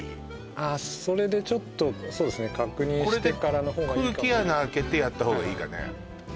あっそれでちょっとそうですね確認してからの方がいいかもこれで空気穴開けてやった方がいいかね？